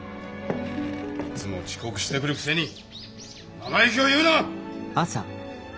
いつも遅刻してくるくせに生意気を言うな！